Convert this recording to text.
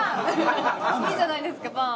いいじゃないですかパン。